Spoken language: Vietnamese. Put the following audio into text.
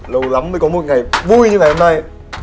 lâu lắm mới có một ngày vui như ngày hôm nay